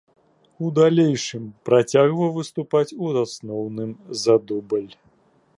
У далейшым працягваў выступаць у асноўным за дубль.